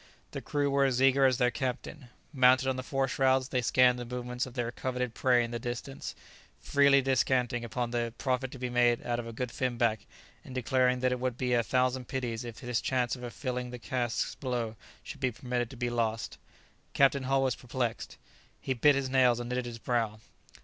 The crew were as eager as their captain. Mounted on the fore shrouds, they scanned the movements of their coveted prey in the distance, freely descanting upon the profit to be made out of a good finback and declaring that it would be a thousand pities if this chance of filling the casks below should be permitted to be lost. Captain Hull was perplexed. He bit his nails and knitted his brow.